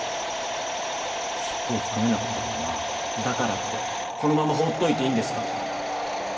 シッポをつかめなかったからなだからってこのまま放っておいていいんですか？